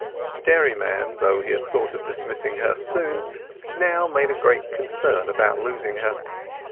The dairyman, though he had thought of dismissing her soon, now made a great concern about losing her.